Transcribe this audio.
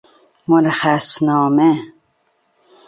مرخص نامه